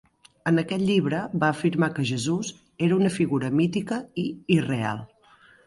En aquest llibre va afirmar que Jesús era una figura mítica i irreal.